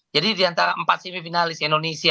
jadi di antara empat semifinalis indonesia